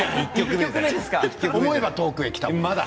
「思えば遠くへ来たもんだ」